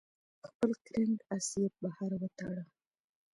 خپل کرنګ آس یې بهر وتاړه.